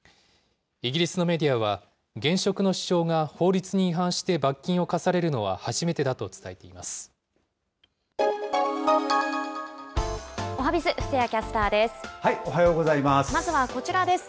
イギリスのメディアは、現職の首相が法律に違反して罰金を科されるのは初めてだと伝えておはＢｉｚ、布施谷キャスタおはようございます。